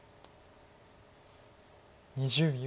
２０秒。